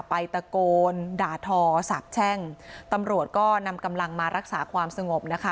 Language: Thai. ตะโกนด่าทอสาบแช่งตำรวจก็นำกำลังมารักษาความสงบนะคะ